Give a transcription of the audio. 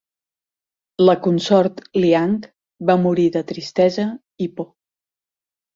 La Consort Liang va morir de tristesa i por.